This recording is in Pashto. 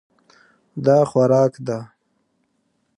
دا خوراک ده.